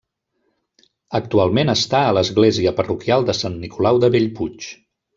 Actualment està a l'església parroquial de Sant Nicolau de Bellpuig.